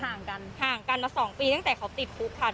ห่างกันห่างกันมา๒ปีตั้งแต่เขาติดคุกค่ะ